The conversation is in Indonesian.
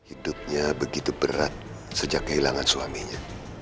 hidupnya begitu berat sejak kehilangan suaminya